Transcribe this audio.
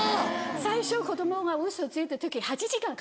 最初子供がウソついた時８時間かけました。